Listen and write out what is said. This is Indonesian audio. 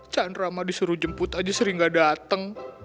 chandra mah disuruh jemput aja sering gak datang